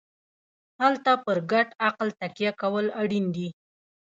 هلته پر ګډ عقل تکیه کول اړین دي.